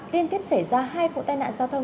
liên tiếp xảy ra hai vụ tai nạn giao thông